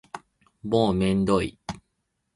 もうめんどい